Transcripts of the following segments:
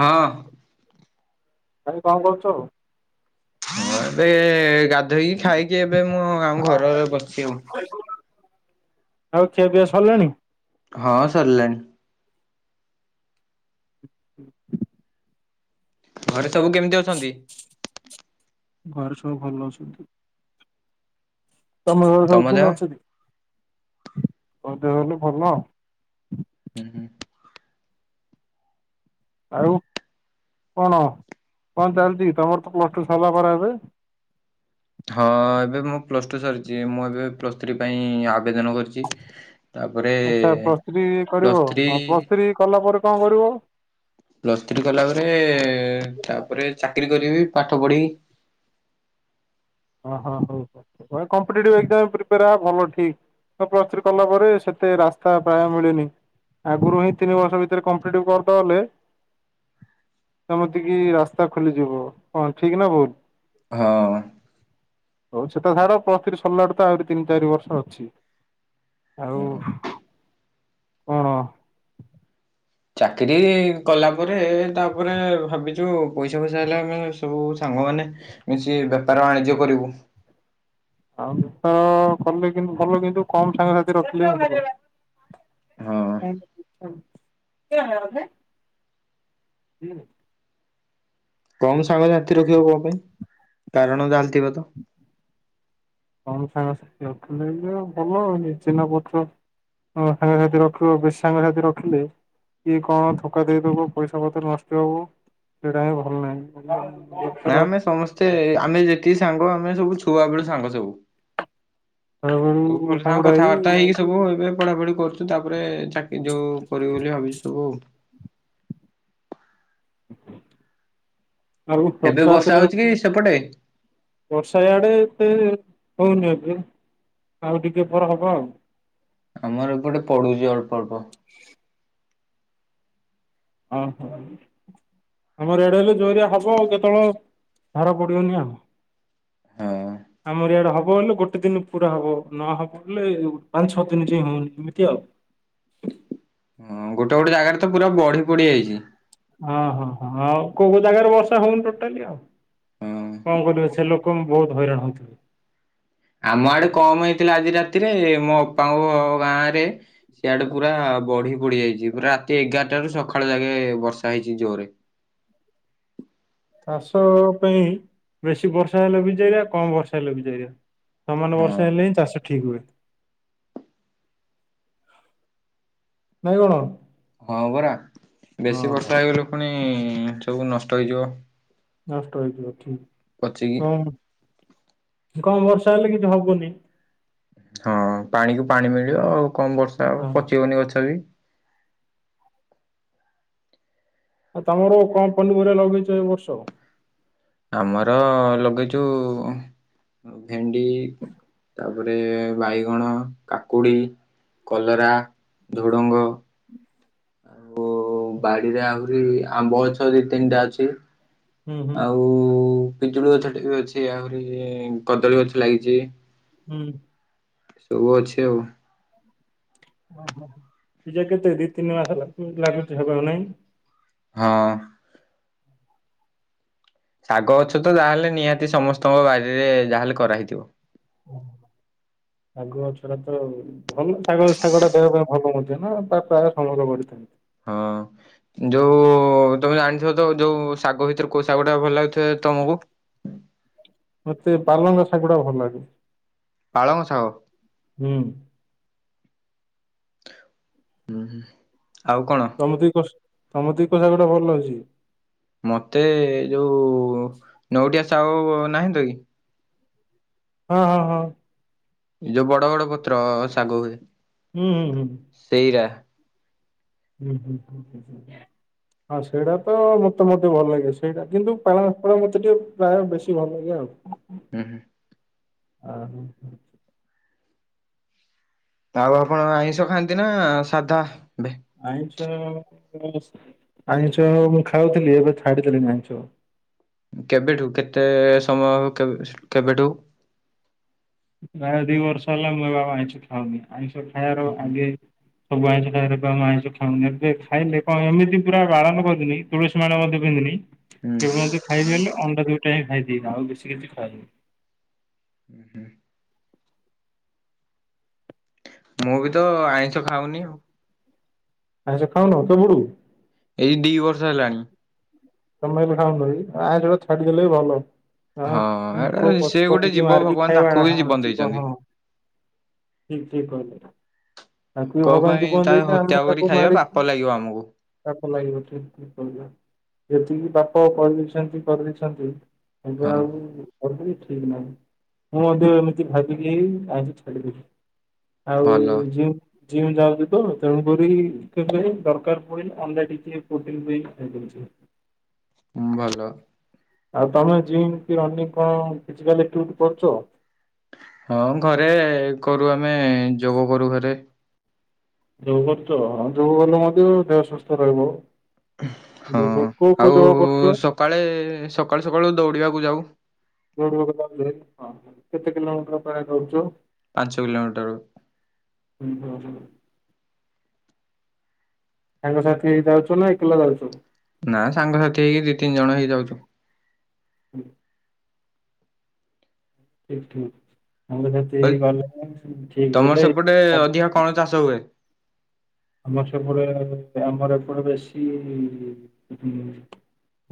ହଁ। ତମେ କଣ କରୁଛ। ହଁ ଏବେ ଗାଧୋଇକି ଖାଇକି ଏବେ ମୁଁ ଆମ ଘର ଆଗାରେ ବସିଛି ଆଉ। ଆଉ ଖିଆ ପିଆ ସରିଲାଣି। ହଁ ସରିଲଣି। ହୁଁ। ଘରେ ସବୁ କେମିତି ଅଛନ୍ତି? ଘରେ ସବୁ ଭଲ ଅଛନ୍ତି। ତମେ ଘ ତମ ସବୁ ଦେହ? କିନ୍ତି ଅଛନ୍ତି ଆଉ ଦେହଲେ ଭଲ। ହୁଁ ହୁଁ ଆଉ କଣ କଣ ଚାଲିଛି ତମର ତ ପ୍ଲସ୍ ଟୁ ସରିଲା ପରା ଏବେ ହଁ ଏବେ ମୁଁ ପ୍ଲସ ଟୁ ସରିଛି ମୁଁ ଏବେ ପ୍ଲସ୍ ଥ୍ରୀ ପାଇଁ ଆବେଦନ କରିଛି ତାପରେ ଆଚ୍ଛା ପ୍ଲସ ଥ୍ରି ପ୍ଲସ୍ କରିବ ଥ୍ରୀ ପ୍ଲସ ଥ୍ରି କଲା ପରେ କଣ କରିବ ପ୍ଲସ୍ ଥ୍ରି କଲା ପରେ ତାପରେ ଚାକିରୀ କରିବି ପାଠ ପଢ଼ିବି ଓ ହଁ ହଁ ହଉ କମ୍ପିଟେଟିଭ ଏକ୍ସାମ୍ ପାଇଁ ପ୍ରିପେୟାର ହେବା ଭଲ ଠିକ ପ୍ଲସ ଥ୍ରି କଲା ପରେ ସେତେ ରାସ୍ତା ପ୍ରାୟ ମିଳେନି ଆଗରୁ ହିଁ ତିନି ବର୍ଷ ଭିତରେ କମ୍ପିଟେଟିଭ କରିଦେବ ବୋଲେ ସେମତି କି ରାସ୍ତା ଖୋଲିଯିବ କଣ ଠିକ ନା ଭୁଲ ହଁ ହଉ ସେଟା ସାର ପ୍ଲସ ଥ୍ରି ସରିଲାଟେ ତ ଆହୁରି ତିନି ଚାରି ବର୍ଷ ଅଛି ଆଉ ହୁଁ। କଣ [inaudible] ଚାକିରି କଲା ପରେ ତାପରେ ଭାବିଛୁ ପଇସା ଫଇସା ହେଲେ ଆମେ ସବୁ ସାଙ୍ଗମାନେ କିଛି ବେପାର ବାଣିଜ୍ୟ କରିବୁ ଆଉ ଗୀତ କଲେ କିନ୍ତୁ ଭଲ କିନ୍ତୁ କମ ସାଙ୍ଗସାଥି ରଖିଲେ ହଁ। [inaudible] ହଁ କମ ସାଙ୍ଗସାଥି ରଖିବ କଣ ପାଇଁ କାରଣ ଜାଣିଥିବେ ତ କମ ସାଙ୍ଗସାଥି ରଖିଲେ ଭଲ ନିଜ ଚିହ୍ନ ପତ୍ର ହ ସାଙ୍ଗସାଥି ରଖିବ ବେଶୀ ସାଙ୍ଗସାଥି ରଖିଲେ କିଏ କଣ ଧକା ଦେଇଦବ ପଇସା ପତ୍ର ନଷ୍ଟ ହବ ସେଇଟା ହିଁ ଭଲ ନାହିଁ ହ [inaudible] ନା ଆମେ ସମସ୍ତେ ଆମେ ଯେତିକି ସାଙ୍ଗ ଆମେ ସବୁ ଛୁଆ ବେଳୁ ସାଙ୍ଗ ସବୁ ବେଳୁ ସବୁ ଭଲ ସାଙ୍ଗ ସାଙ୍ଗୁଡା ହେଇ କଥାବାର୍ତ୍ତା ହେଇକି ସବୁ ଏବେ ପଢାପଢି କରୁଛୁ ତାପରେ ଚାକିରି ଯୋଉ କରିବୁ ବୋଲି ଭାବିଛୁ ସବୁ ଆଉ। ଆଉ ଏବେ ବର୍ଷା ରଥଯାତ୍ରାରେ ହଉଛି କି ସେପଟେ ବର୍ଷା ଆଡ଼େ ଏତେ ହଉନି ଏଭେ ଆଉ ଟିକେ ପରେ ହବ ଆଉ। ଆମର ଏ ପଟେ ପଡ଼ୁଚି ଅଳ୍ପ ଅଳ୍ପ [inaudible] ଓହୋ ଆମର ଏଡ଼େ ହେଲେ ଜୋରିଆ ହବ ଆଉ କେତେବେଳେ ଧାର ପଡ଼ିବନି ଆଉ ହଁ ଆମର ଇଆଡ଼େ ହବ ହେଲେ ଗୋଟେ ଦିନ ପୁରା ହବ ନହବଲେ ପାଞ୍ଚ ଛଅ ଦିନ ଯାଇଁ ହଉନି ଏମିତି ଆଉ ହଁ ଗୋଟେ ଗୋଟେ ଜାଗାରେ ତ ପୁରା ବଢ଼ି ପଡ଼ିଯାଇଛି। ହଁ ହଁ ହଁ ଆଉ କୋଉ କୋଉ ଜାଗାରେ ବର୍ଷା ହଉନି ଟୋଟାଲି ଆଉ ହଁ କଣ କରିବ ସେ ଲୋ କ ବହୁତ ହଇରାଣ ହଉଥିବେ। ଆମ ଆଡ଼େ କମ୍ ହେଇଥିଲା ଆଜି ରାତିରେ ମୋ ଅପାଙ୍କ ଗାଁ ରେ ସିଆଡ଼େ ପୁରା ବଢ଼ି ପଡ଼ିଯାଇଛି ପୁରା ରାତି ଏଗାରଟା ରୁ ସଖାଳ ଯାଗେ ବର୍ଷା ହେଇଛି ଜୋ ରେ ଚାଷ ପାଇଁ ବେଶୀ ବର୍ଷା ହେଲେ ଭିଯେଗା କମ୍ ବର୍ଷା ହେଲେ ଭିଯେଗା। ସମାନ ବର୍ଷ ହଁ। ହେଲେ ହିଁ ଚାଷ ଠିକ୍ ହୁଏ। ନାଇଁ କଣ? ହଁ ପରା ବେଶୀ ହଁ ବର୍ଷା ହେଇଗଲେ ପୁଣି ସବୁ ନଷ୍ଟ ହେଇଯିବ। ନଷ୍ଟ ହେଇଯିବ ପଚିକି। ଠିକ୍ ହଁ ସେ କମ୍ ବର୍ଷା ହେଲେ କିଛି ହବନି। ହଁ ପାଣି କୁ ପାଣି ମିଳିବ ହଁ ଆଉ କମ ବର୍ଷା ଆଉ ପଚିବନି ଗଛ ବି। ଆଉ ତମର କଣ ପନିପରିବା ଲଗେଇଛ ଏ ବର୍ଷ? ଆମର ଲଗେଇଚୁ ଭେଣ୍ଡି ତାପରେ ବାଇଗଣ କାକୁଡ଼ି କଲରା ଝୁଡ଼ଙ୍ଗ ଓ ବାଡ଼ିରେ ଆହୁରି ଆମ୍ବଗଛ ଦି ତିନିଟା ଅଛି ହୁଁ ହୁଁ ଆଉ ପିଜୁଳି ଗଛ ଟେ ବି ଅଛି ଆହୁରି କଦଳୀ ଗଛ ଲାଗିଛି। ହୁଁ। ଶବୁ ଅଛି ଆଉ। ଓହୋ ପିଜା କେତେ ଦି ତିନି ମାସ [unintelligible] ଲାଗୁଛି ହବ ନାଇଁ? ହଁ। ଶାଗ ଗଛ ତ ଯାହେଲେ ନିହାତି ସମସ୍ତଙ୍କ ବାରିରେ ଯାହାହେଲେ କରାହେଇଥିବ। ଶାଗ ଗଛରେ ତ ଭଲ ଶାଗ ଶାଗ ଟା ଦେବା ପାଇଁ ଭଲ ମଧ୍ୟ ନା ତା ପ୍ରାୟ [unintelligible] ବଢ଼ିଥାଏ। ହଁ। ଯୋଉ ତମେ ଜାଣିଥିବ ତ ଯୋଉ ଶାଗ ଭିତରେ କୋଉ ଶାଗଟା ଭଲ ଲାଗୁଥିବ ତମକୁ? ମତେ ପାଲଙ୍ଗ ଶାଗୁଡ଼ା ଭଲ ଲାଗେ। ପାଳଙ୍ଗ ସାଗ। ହୁଁ। ହୁଁ ହୁ ଆଉ କଣ? ତମତି କସ୍ ତମତି କୋଉ ଶାଗଟା ଭଲ ଲାଗୁଛି? ମତେ ଏ ଯୋଉ ନେଉଟିଆ ସାଉ ନାହାନ୍ତିକି? ହଁ ହଁ ହଁ। ଯୋଉ ବଡ଼ବଡ଼ ପତ୍ର ଶାଗ ହୁଏ। ହୁଁ ହୁଁ ହୁଁ। ସେଇରା। ହୁଁ ହୁଁ ହୁଁ ହୁଁ ହୁଁ ହୁଁ। ହଁ ସେଇଟା ତ ମତେ ମଧ୍ୟ ଭଲ ଲାଗେ। ସେଇଟା କିନ୍ତୁ ପାଳଙ୍ଗ ଫାଳଙ୍ଗ ମତେ ଟିକେ ପ୍ରାୟ ବେଶୀ ଭଲ ଲାଗେ ଆଉ। ହୁଁ ହୁଁ। ଓହୋ। ଆଉ ଆପଣ ଆଇଁଷ ଖାଆନ୍ତି ନା ସାଧା ଏବେ? ଆଇଁଷ ଆଇଁଷ ମୁଁ ଖାଉଥିଲି ଏବେ ଛାଡିଦେଲିଣିି ଆଇଁଷ। କେବେଠୁ କେତେ ସମୟ ହଉ କେ କେବେଠୁ? ପ୍ପ୍ରାୟ ଦି ବର୍ଷ ହେଲା ମୁ ଏବେ ଆଉ ଆଇଁଷ ଖାଉନି। ଆଇଁଷ ଖାଇବାର ହୁଁ ଆଗେ ସବୁ ଆଇଁଷ ଖାଏ ଏବେ ଆଉ ଆଇଁଷ ଖାଉନି ଏବେ ଖାଇଲେ କଣ ଏମିତି ପୁରା ବାରଣ କରିଦେଲି ତୁଳସୀ ମାଳ ମଧ୍ୟ ପିନ୍ଧିନି ହୁଁ କେବେଳ ତ ଖାଇବି ହେଲେ ଅଣ୍ଡା ଦୁଇଟା ଖାଇଦିଏ। ଆଉ ବେଶୀ କିଛି ଖାଏନି। ହୁଁ। ମୁଁ ବି ତ ଆଇଁଷ ଖାଉନି ଆଉ। ଆଇଁଷ ଖାଉନ କେବେଠୁ? ଏଇ ଦି ବର୍ଷ ହେଲାଣି। ତମେ ଏବେ ଖାଉନ କି? ଆଇଁଷ ଟା ଛାଡିଦଲେ ବି ଭଲ। ହଁ ଏଟା କୋଉ ସେ ଗୋଟେ ପଶୁପକ୍ଷୀକି ଜୀବ ମାରିକି ଭଗବାନ ତାକୁ ଖାଇବାଡା ବି ହଁ ଜୀବନ ଯିବ ଦେଇଛନ୍ତି। ହଁ। ଠିକ ଠିକ କହିଲେ। ତାକୁ ବି କୋଉ ଭଗବାନ ପାଇଁ ଜୀବନ ତା ଦେଇଚ ହତ୍ୟା ଆମେ କରି ତାକୁ ଖାଇବା ମାରିକି ପାପ ଲାଗିବ ଆମକୁ ପାପ ଲାଗିବଟିି। ଯେତିକି ବାପ ପଢେଇଛନ୍ତି କରିଦେଇଛନ୍ତି ଏବେ ହଁ ଆଉ ହଉ ଠିକ ନାହିଁ। ମୁଁ ମଧ୍ୟ ଏମିତି ଭାବିଲି ଆଇଁଷ ଛାଡିଦେଲି। ଆଉ ଭଲ ଯିଉ ଜିମ୍ ଯାଉଚି ତ ତେଣୁକରି କେବେ ଦରକାର ପଡିଲେ ଅଣ୍ଡା ଟିକେ ପ୍ରୋଟିନ ଦେଇକି ଖାଇଦେଉଛି। ହମ୍ ଭଲ। ଆଉ ତମେ ଜିମ୍ କି ରନିଙ୍ଗ କଣ ଫିଯିକାଲ ଆକ୍ଟୀଭିଟୀ କରୁଛ? ହଁ ଘରେ କରୁ ଆମେ ଯୋଗ କରୁ ଘରେ। ଯୋଗ କରୁଚ ହଁ ଯୋଗ କଲେ ମଧ୍ୟ ଦେହ ସୁସ୍ଥ ରହିବ। ହଁ। କୋଉ କୋଉ ଆଉ ଯୋଗ କରୁଛ? ସକାଳେ ସକାଳୁ ସକାଳୁ ଦୌଡ଼ିବାକୁ ଯାଉ। ଦୌଡିବାକୁ ଯାଉଚ ଯେବେ କେତେ କିଲୋମିଟର ପ୍ରାୟ ଦୌଡୁଚ? ପାଞ୍ଚ କିଲୋମିଟର। [unintelligible] ସାଙ୍ଗ ସାଥି ହେଇକି ଯାଉଛ ନା ଏକଲା ଯାଉଛ? ନା ସାଙ୍ଗସାଥି ହେଇକି ଦି ତିନି ଜଣ ହେଇଯାଉଛୁ। ଠିକ ଠିକ ସାଙ୍ଗ ସାଥି କହିଲି ହେଇ ଗଲେ ଠିକ ତମର ବଲେ ସେପଟେ ଅଧିକା [unintelligible] କଣ ଚାଷ ହୁଏ। ଆମର ସେପଟେ ଆମର ଏପଟେ ବେଶୀ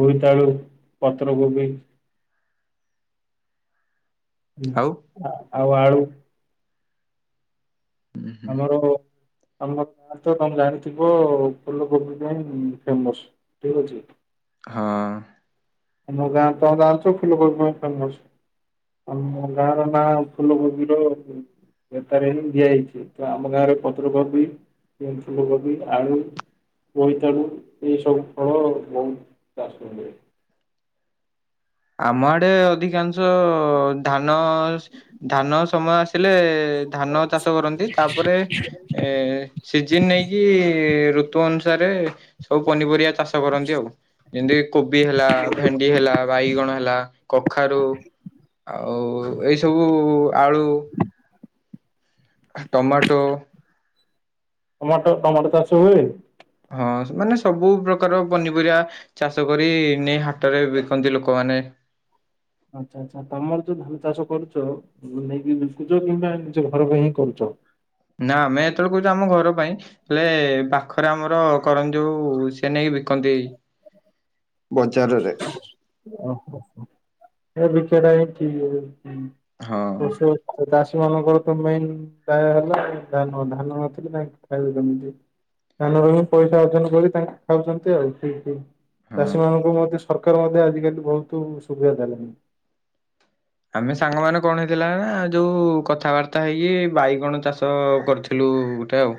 ବୋଇତାଳୁ, ପତ୍ରକୋବି [inaudible] ଆଉ? ହ ଆ ଆଉ ଆଳୁ ଉଁ ହୁଁ, ଆମର ଆମ ଗାଁରେ ତ ତମେ ଜାଣିଥିବ ଫୁଲକୋବି ପାଇଁ ଫେମସ। ଠିକ୍ ଅଛି। ହଁ। ଆମ ଗାଁ ତ ଜାଣିଛ ଫୁଲକୋବି ପାଇଁ ଫେମସ। ଆମ ଗାଁ ର ନାଁ ଫୁଲ କୋବିର ବତାରେ ହିଁ ଦିଆହେଇଛି। ତ ଆମ ଗାଁରେ ପତ୍ରକୋବି, ଫୁଲକୋବି, ଆଳୁ ବୋଇତାଳୁ ଏଇସବୁ ଫଳ ବହୁତ ଚାଷ ହୁଏ। ଆମ ଆଡେ ଅଧିକାଂଶ ଧାନ ସ, ଧାନ ସମୟ ଆସି ଲେ ଧାନ ଚାଷ କରନ୍ତି ତାପରେ ଏ ସିଜିନ୍ ନେଇକି ଋତୁ ଅନୁସାରେ ସବୁ ପନିପରିବା ଚାଷ କରନ୍ତି ଆଉ ଯେମିତି କୋବି ହେଲା ଭେଣ୍ଡି ହେଲା ବାଇଗଣ ହେଲା କଖାରୁ ଆଉ ଏଇ ସବୁ ଆଳୁ ଟମାଟୋ ଟମାଟୋ, ଟମାଟୋ ଚାଷ ହୁଏ? ହଁ ମାନେ ସବୁ ପ୍ରକାର ପନିପରିବା ଚାଷ କରି ନେଇ ହାଟରେ ବିକନ୍ତି ଲୋକମାନେ। ଆଚ୍ଛା ଆଚ୍ଛା ତମର ଯୋଉ ଧାନ ଚାଷ କରୁଚ ନେଇକି ବିକୁଚ ନା ନିଜ ଘର ପାଇଁ ହିଁ କରୁଚ? ନା ଆମେ ଯେତେବେଳେ କରୁଚୁ ଆମ ଘର ପାଇଁ ହେଲେ ପାଖରେ ଆମର କରଂଯୋଉ ସେ ନେଇ ବିକନ୍ତି। ବଜାରରେ। ଓହୋ [unintelligible] ବିକିବା ଟା ହିଁ ଠିକ। ହଁ [unintelligible] ଚାଷୀ ମାନଙ୍କର ତ ମେନ୍। ପ୍ରାଏ ହେଲା ଧାନ, ଧାନ ନଥିଲେ ନାଇଁ ଖାଇବ କେମିତି? ଧାନ ଚାଷ କରିକି ପଇସା ଅର୍ଜନ କରି ତାଙ୍କେ ଖାଉଛନ୍ତି ଆଉ ଠିକ୍ ଠିକ୍। ହଁ ଚାଷୀ ମାନଙ୍କୁ ମଧ୍ୟ ସରକାର ମଧ୍ୟ ଆଜିକାଲି ବହୁତ ସୁବିଧା ଦେଲାଣି। ଆମେ ସାଙ୍ଗ ମାନ କଣ ହେଇଥିଲା ନା ଯୋଉ କଥାବାର୍ତ୍ତା ହେଇକି ବାଇଗଣ ଚାଷ କରିଥିଲୁ। ବିଲୁ ଗୋଟେ ଆଉ।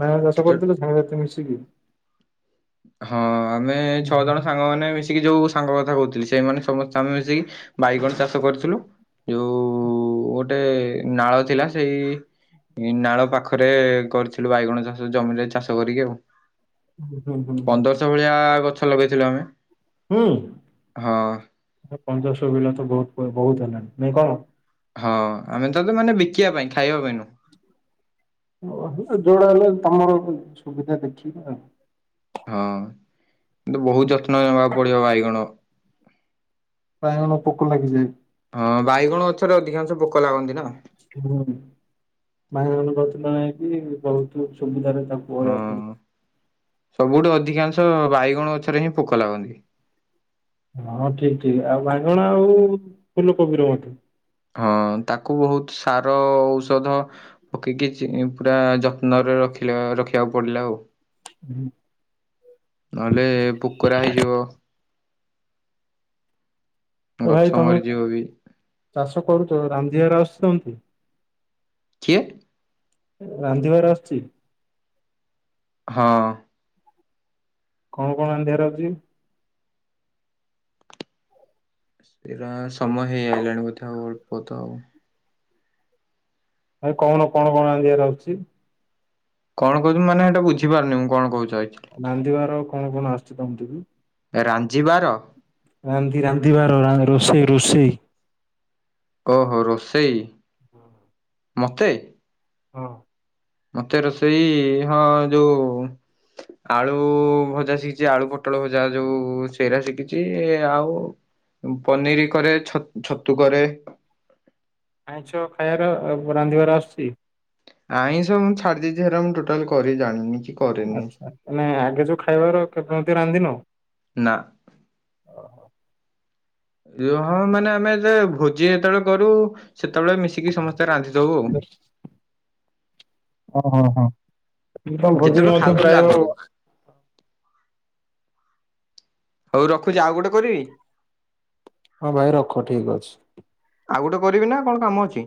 ବାଇଗଣ ଚାଷ ଯେତେବେଳେ କରୁଥିଲୁ ସାଙ୍ଗସାଥି ମିଶିକି। ହଁ ଆମେ ଛଅ ହୁଁ ଜଣ ସାଙ୍ଗମାନେ ମିଶିକି ଯୋଉ ସାଙ୍ଗ କଥା କହୁଥିଲି ସେଇମାନେ ସମସ୍ତେ ଆମେ ମିଶିକି ବାଇଗଣ ଚାଷ କରିଥିଲୁ। ଯୋଉ ଗୋଟେ ନାଳ ଥିଲା ସେଇ ନାଳ ପାଖରେ କରିଥିଲୁ ବାଇଗଣ ଚାଷ ଜମିରେ ଚାଷ କରିକି ଆଉ। ହୁଁ ହୁଁ ହୁଁ ପନ୍ଦଶ ଭଳିଆ ଗଛ ଲଗେଇଥିଲୁ ଆମେ। ହୁଁ ହଁ। ଏ ପନ୍ଦରଶ କିଲୋ ତ ବହୁତ୍ ବହୁତ୍ ହେଲାଣି ନାଇଁ କଣ। ହଁ ଆମେ ତ ତ ମାନେ ବିକିବା ପାଇଁ ଖାଇବା ପାଇଁ ନୁହଁ। ଓ ଯୋଉଡା ହେଲେ ତମର ସୁ ସୁବିଧା ଦେଖିକି ଆଉ। ହଁ କିନ୍ତୁ ବହୁତ ଯତ୍ନ ନବାକୁ ପଡିବ ବାଇଗଣ ବାଇଗଣ ପୋକ ଲାଗିଯାଏ। ହଁ ବାଇଗଣ ଗଛରେ ଅଧିକାଂଶ ପୋକ ଲାଗନ୍ତି ନା। ହୁଁ ଵାଇଗଣ ଗଛ ପାଇଁ ବି ବହୁତ୍ ସୁବିଧାରେ ତାଙ୍କୁ କହିବାକୁ ପଡିବ। ହଁ। ସବୁଠୁ ଅଧିକାଂଶ ବାଇଗଣ ଗଛରେ ହିଁ ପୋକ ଲାଗନ୍ତି। ହଁ ଠିକ୍ ଠିକ୍ ଆଉ ବାଇଗଣ ଆଉ ଫୁଲୁକୋବିର ମଧ୍ୟ। ହଁ ତାକୁ ବହୁତ୍ ସାର ଓ ଔଷଧ ପକେଇକି ଚି ପୁରା ଯତ୍ନରେ ରଖି-ରଖିବାକୁ ପଡିଲା ଆଉ। ହୁଁ ନଏଲେ ପୋକରା ହେଇଯିବ। ଆରେ ଗଛ ଭାଇ ତମେ ମରିଯିବ ବି। ଚାଷ କରୁଚ, ରାମ [unintelligible] ଆସୁଚନ୍ତି। କିଏ? ରାନ୍ଧିବାର ଆସୁଛି। ହଁ। କଣ କଣ ରାନ୍ଧିବାର ଆଉଚି? ସେଇଟା ସମୟ ହେଇ ଆଇଲାଣି ବୋଧେ ଆଉ ଅଳ୍ପ ତ ଆଉ। ଭାଇ କଣ କଣ କଣ ରାନ୍ଧିଆର ଆଉଚି? କଣ କହୁଚୁ ମାନେ ଏଇଟା ବୁଝି ପାରୁନି ମୁଁ କଣ କହୁ ରାନ୍ଧିବାର କଣ କଣ ଆସୁଛି? [unintelligible] ରାଞ୍ଜିବାର। ରାନ୍ଧି ରାନ୍ଧିବାର ରା ରୋଷେଇ ରୋଷେଇ। ଓହୋ ରୋଷେଇ। ହଁ। ମତେ। ହଁ। ମତେ ରୋଷେଇ ହଁ ଯୋଉ। ଆଳୁ ଭଜା ଶିଖିଛି ଆଳୁ, ପୋଟଳ ଭଜା ଯୋଉ ସେଇରା ଶିଖିଛି ଏ ଆଉ। ଉଁ ପନିର କରେ ଛ-ଛତୁ କରେ। ଆଇଁଛ ଖାଇବାର ରାନ୍ଧିବାର ଆସୁଛି। ଆଇଁଶ ମୁଁ ଛାଡି ଦେଇଛି ହେରା ମୁଁ ଟୋଟାଲ କରି ଜାଣିନି କି କରେନି ଆଚ୍ଛା ଆମେ ଆଗେ ଯୋଉ ଖାଇବାର କେବେ ବି ରାନ୍ଧିନ। ନା। [unintelligible] ମାନେ ଆମେ ଯେତେବେଳେ ଭୋଜି ଯେତେବେଳେ କରୁ ସେତେବେଳେ ମିଶିକି ସମସ୍ତେ ରାନ୍ଧିଦଉ। ଅ ହଁ ହଁ ଭୋଜିର ଯେତେବେଳେ ମଧ୍ୟ ଖାଉଥିଲୁ ପ୍ରାୟ। ଆଗରୁ ହଉ ରଖୁଛି ଆଉ ଗୋଟେ କରିବି। ହଁ ଭାଇ ରଖ ଠିକ୍ ଅଛି। ଆଉ ଗୋଟେ କରିବି ନା କଣ୍ କାମ ଅଛି?